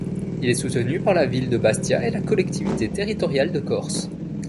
Il est soutenu par la ville de Bastia et la Collectivité territoriale de Corse.